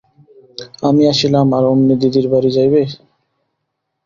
আমি আসিলাম আর অমনি দিদির বাড়ি যাইবে!